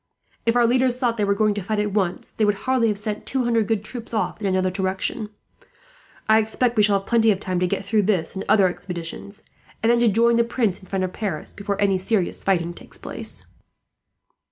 If our leaders thought they were going to fight at once, they would hardly have sent two hundred good troops off in another direction. I expect we shall have plenty of time to get through this and other expeditions, and then to join the Prince in front of Paris before any serious fighting takes place."